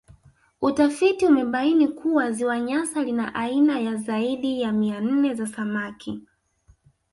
Utafiti umebaini kuwa Ziwa Nyasa lina aina ya zaidi ya mia nne za samaki